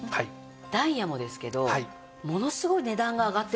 ダイヤもですけどものすごい値段が上がってませんか？